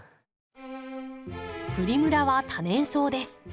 プリムラは多年草です。